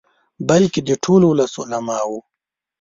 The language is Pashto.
بلکې د ټول ولس، علماؤ.